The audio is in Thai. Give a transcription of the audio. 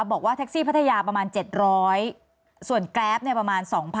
บอกว่าแท็กซี่พัทยาประมาณ๗๐๐ส่วนแกรปเนี่ยประมาณ๒๐๐๐